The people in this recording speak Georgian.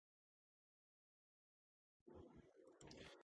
მისი ნამუშევრებისთვის დამახასიათებელია ნატურალიზმი და უბრალოება.